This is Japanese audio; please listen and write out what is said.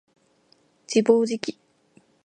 自暴自棄